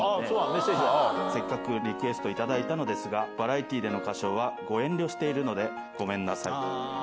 せっかくリクエストを頂いたのですが、バラエティーでの歌唱はご遠慮しているのでごめんなさい。